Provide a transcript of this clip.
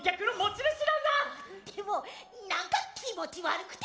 でも何か気持ち悪くて。